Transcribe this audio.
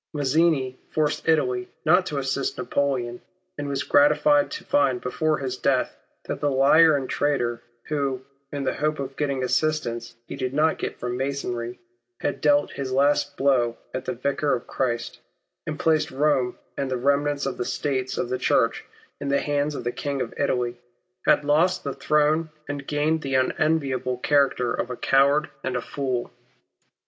Mazzini forced Italy not to assist Napoleon, and was gratified to find before his death, that the liar and traitor, who, in the hope of getting assistance he did not get from Masonry, had dealt his last blow at the Vicar of Christ, and placed Rome and the remnant of the States of the Church in the hands of the King of Italy, had lost the throne and gained the unenviable character of a coward and a fool.